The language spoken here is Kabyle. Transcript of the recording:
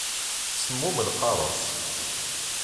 Semmum lqareṣ.